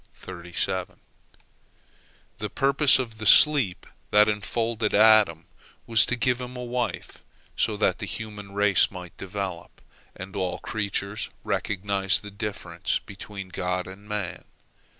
The purpose of the sleep that enfolded Adam was to give him a wife, so that the human race might develop, and all creatures recognize the difference between God and man.